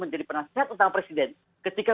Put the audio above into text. menjadi penasehat tentang presiden ketika